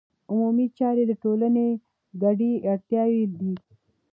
عمومي چارې د ټولنې ګډې اړتیاوې دي.